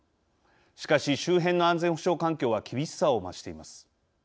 しかし、周辺の安全保障環境は厳しさを増しています。